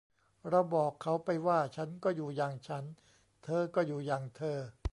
เราบอกเขาไปว่า ฉันก็อยู่อย่างฉัน เธอก็อยู่อย่างเธอ